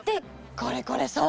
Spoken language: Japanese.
これこれそう。